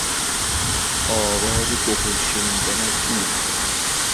آواز دهل شنیدن از دور...